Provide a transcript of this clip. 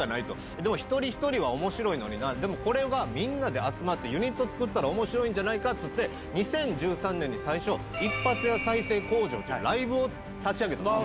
でも一人一人はおもしろいのにな、でも、これはみんなで集まってユニット作ったらおもしろいんじゃないかって言って、２０１３年に最初、一発屋再生工場という、ライブを立ち上げたんです。